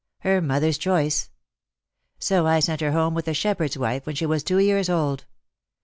her mother's choice ; so I sent her home with a shepherd's wife, when she was two years old.